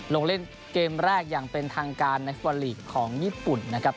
ลองเล่นเกมแรกอย่างเป็นทางการของญี่ปุ่นนะครับ